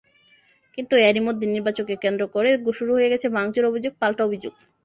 কিন্তু এরই মধ্যে নির্বাচনকে কেন্দ্র করে শুরু হয়ে গেছে ভাঙচুর, অভিযোগ-পাল্টা অভিযোগ।